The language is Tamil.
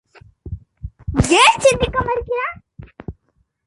ஏன் சிந்திக்க மறுக்கிறான்?